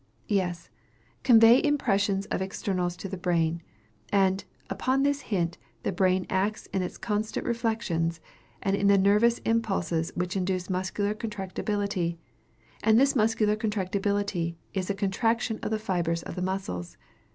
_ Yes; convey impressions of externals to the brain. And "Upon this hint" the brain acts in its consequent reflections, and in the nervous impulses which induce muscular contractibility. And this muscular contractibility is a contraction of the fibres of the muscles.